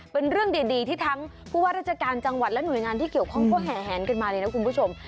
เป็นเรื่องดีที่ทั้งผู้ว่าราชการจังหวัดและหน่วยงานที่เกี่ยวข้องก็แห่แหนกันมาเลยนะคุณผู้ชม